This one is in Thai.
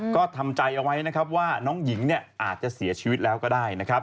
ก็ทำใจเอาไว้ว่าน้องหญิงอาจจะเสียชีวิตแล้วก็ได้